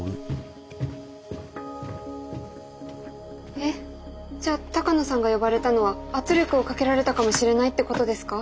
えっじゃあ鷹野さんが呼ばれたのは圧力をかけられたかもしれないってことですか？